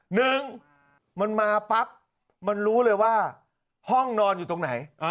หนึ่งมันมาปั๊บมันรู้เลยว่าห้องนอนอยู่ตรงไหน